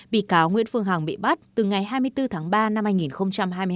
bị cáo nguyễn phương hằng bị bắt từ ngày hai mươi bốn tháng ba năm hai nghìn hai mươi bốn